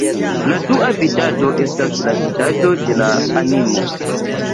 La dua vidado estas la vidado de la animo.